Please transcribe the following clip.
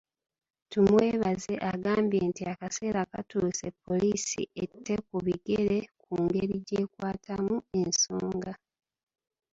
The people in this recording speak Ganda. Tumwebaze agambye nti akaseera katuuse poliisi ette ku bigere ku ngeri gy'ekwatamu ensonga.